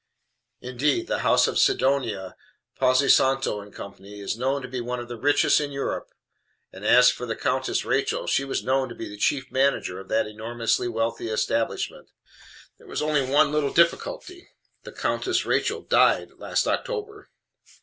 Indeed the house of Sidonia, Pozzosanto and Co., is known to be one of the richest in Europe, and as for the Countess Rachel, she was known to be the chief manager of that enormously wealthy establishment. There was only one little difficulty, the Countess Rachel died last October.